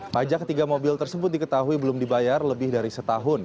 pajak tiga mobil tersebut diketahui belum dibayar lebih dari satu tahun